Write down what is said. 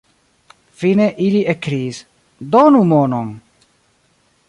Fine ili ekkriis: donu monon!